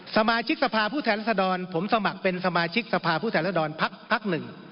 สมาชิกสภาผู้แสลศดรผมสมัครเป็นสมาชิกสภาผู้แสลศดรพัก๑